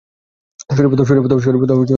শরিফ অর্থ সম্ভ্রান্ত।